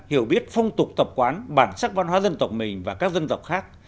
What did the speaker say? hiểu biết phong tục tập quán bản sắc văn hóa dân tộc mình và các dân tộc khác